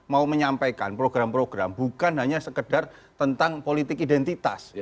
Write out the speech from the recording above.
mau menyampaikan program program bukan hanya sekedar tentang politik identitas